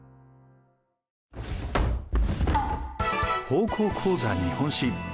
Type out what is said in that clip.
「高校講座日本史」。